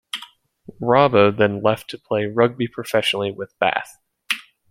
'Robbo' then left to play rugby professionally with Bath.